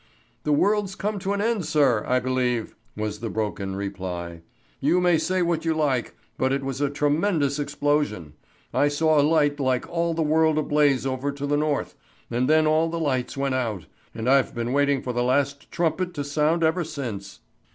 "The world's come to an end, sir, I believe," was the broken reply. "You may say what you like, but it was a tremendous explosion. I saw a light like all the world ablaze over to the north, and then all the lights went out, and I've been waiting for the last trump to sound ever since."